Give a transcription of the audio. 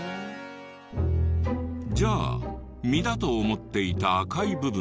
じゃあ実だと思っていた赤い部分は？